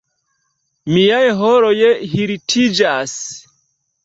Miaj haroj hirtiĝas!